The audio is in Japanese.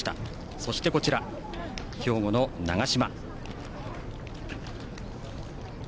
そして、兵庫の長嶋。